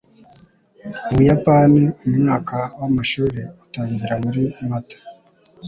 Mu Buyapani umwaka w'amashuri utangira muri Mata